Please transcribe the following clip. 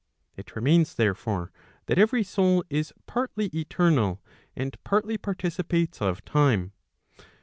It remains therefore, that every soul is partly eternal, and partly participates of time.